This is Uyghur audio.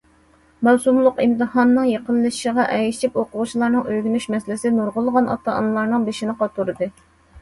مەۋسۇملۇق ئىمتىھاننىڭ يېقىنلىشىشىغا ئەگىشىپ، ئوقۇغۇچىلارنىڭ ئۆگىنىش مەسىلىسى نۇرغۇنلىغان ئاتا- ئانىلارنىڭ بېشىنى قاتۇردى.